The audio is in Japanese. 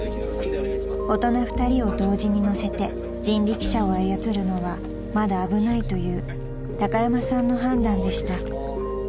［大人２人を同時に乗せて人力車を操るのはまだ危ないという高山さんの判断でした］